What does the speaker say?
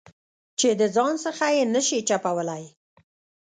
چې د ځان څخه یې نه شې چپولای.